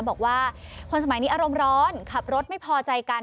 บอกว่าคนสมัยนี้อารมณ์ร้อนขับรถไม่พอใจกัน